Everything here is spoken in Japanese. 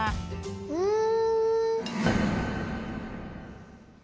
うん。